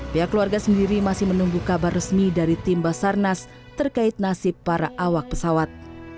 pihak keluarga sendiri masih menunggu kabar resmi dari tim basarnas terkait nasib para awak pesawat